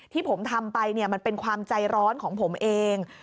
ที่ผมทำไปมันเป็นความใจร้อนของผมเอง